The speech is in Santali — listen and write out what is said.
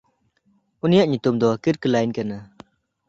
ᱩᱱᱤᱭᱟᱜ ᱧᱩᱛᱩᱢ ᱫᱚ ᱠᱤᱨᱠᱞᱟᱹᱭᱤᱱ ᱠᱟᱱᱟ᱾